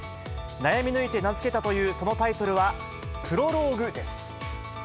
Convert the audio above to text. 悩み抜いて名付けたというそのタイトルは、プロローグです。